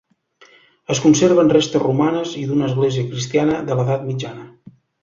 Es conserven restes romanes i d'una església cristiana de l'edat mitjana.